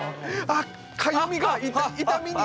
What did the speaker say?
かゆみが痛みに！